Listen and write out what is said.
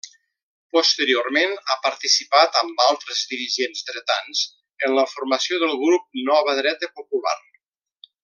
Posteriorment ha participat amb altres dirigents dretans en la formació del grup Nova Dreta Popular.